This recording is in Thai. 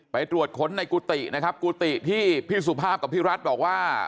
ไปตรวจค้นในกุฏินะครับกุฏิที่พี่สุภาพกับพี่รัฐบอกว่า